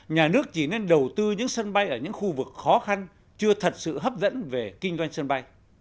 nhà nước chỉ nên đầu tư những sân bay ở những khu vực khó khăn chưa thật sự hấp dẫn về kinh doanh sân bay